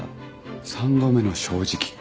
三度目の正直。